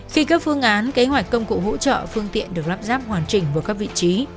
khi các phương án kế hoạch công cụ hỗ trợ phương tiện được lắp ráp hoàn chỉnh vào các vị trí